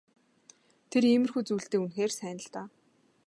Тэр иймэрхүү зүйлдээ үнэхээр сайн л даа.